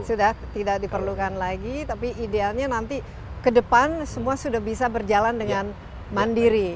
sudah tidak diperlukan lagi tapi idealnya nanti ke depan semua sudah bisa berjalan dengan mandiri